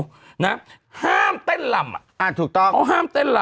ห้ามเต้นลำอ่ะอ๋อห้ามเต้นลำอ่ะถูกถูกต้อง